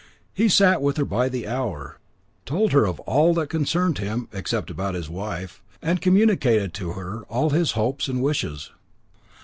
He sat with her by the hour, told her of all that concerned him except about his wife and communicated to her all his hopes and wishes.